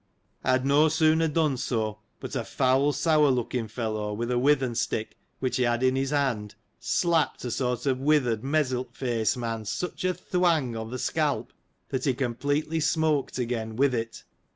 I had no sooner done so, but a foul sour looking fellow, with a withen stick, which he had in his hand, slapped a sort of a withered, mezzilt face^ man such a thwang o' th' scalp, that he completely smoked again, with it